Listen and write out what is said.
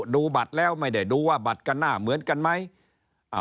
ดูบัตรแล้วไม่ได้ดูว่าบัตรกันหน้าเหมือนกันไหม